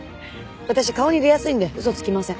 私顔に出やすいんで嘘つきません。